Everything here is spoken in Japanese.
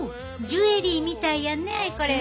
ジュエリーみたいやねこれ。